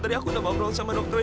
tadi aku nama perang sama dokternya